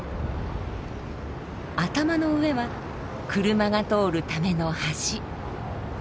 頭の上は車が通るための橋。